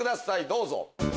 どうぞ。